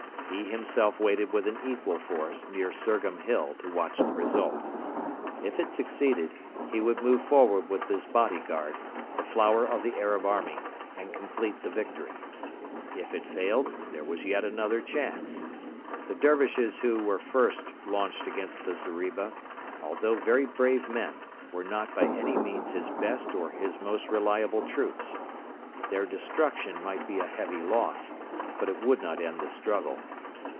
He himself waited with an equal force near Surgham Hill to watch the result. If it succeeded, he would move forward with his bodyguard, the flower of the Arab army, and complete the victory. If it failed, there was yet another chance. The Dervishes who were first launched against the zeriba, although very brave men, were not by any means his best or most reliable troops. Their destruction might be a heavy loss, but it would not end the struggle.